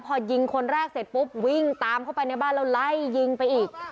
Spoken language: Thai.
พอยิงคนแรกเสร็จปุ๊บวิ่งตามเข้าไปในบ้านแล้วไล่ยิงไปอีก